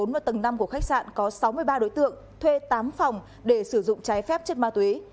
vào tầng năm của khách sạn có sáu mươi ba đối tượng thuê tám phòng để sử dụng trái phép chất ma túy